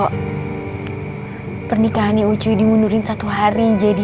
praksis pernikahannya dimundurin satu hari gitu